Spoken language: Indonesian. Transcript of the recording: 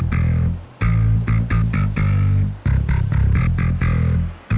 terima kasih bos